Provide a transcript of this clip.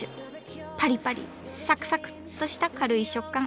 パリパリサクサクッとした軽い食感。